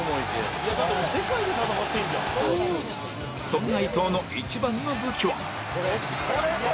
そんな伊東の一番の武器は